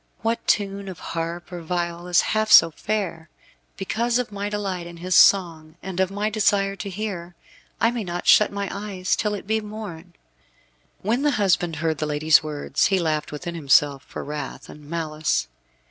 What tune of harp or viol is half so fair! Because of my delight in his song, and of my desire to hear, I may not shut my eyes till it be morn." When the husband heard the lady's words he laughed within himself for wrath and malice.